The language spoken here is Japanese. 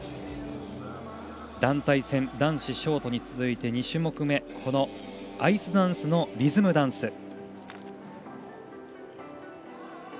団体戦、男子ショートに続き２種目めこのアイスダンスのリズムダンス。